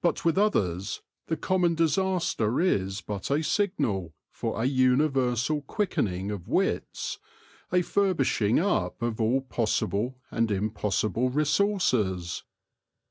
But with others the common disaster is but a signal for a universal quickening of wits, a furbishing up of all possible and impossible resources.